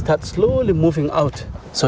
và đây là nơi chúng tôi ở